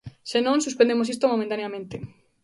Se non, suspendemos isto momentaneamente.